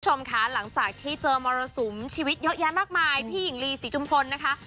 คุณผู้ชมค่ะหลังจากที่เจอมรสุมชีวิตเยอะแยะมากมายพี่หญิงลีศรีจุมพลนะคะ